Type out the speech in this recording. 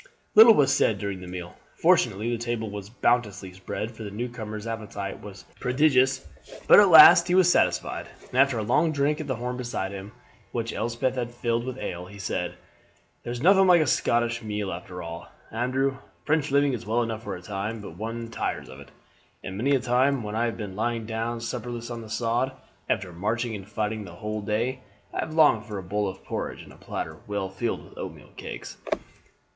Little was said during the meal; fortunately the table was bounteously spread, for the newcomer's appetite was prodigious; but at last he was satisfied, and after a long drink at the horn beside him, which Elspeth had kept filled with ale, he said: "There's nothing like a Scottish meal after all, Andrew. French living is well enough for a time, but one tires of it; and many a time when I have been lying down supperless on the sod, after marching and fighting the whole day, I have longed for a bowl of porridge and a platter well filled with oatmeal cakes."